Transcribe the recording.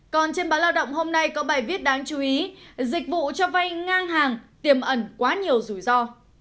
còn trên báo lao động hôm nay có bài viết đáng chú ý dịch vụ cho vay ngang hàng tiềm ẩn quá nhiều rủi ro